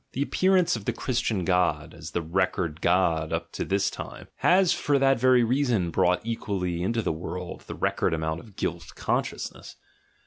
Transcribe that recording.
The appearance of the Christian god, as the record god up to this time, has for that very reason brought equally into the world the record amount of guilt consciousness.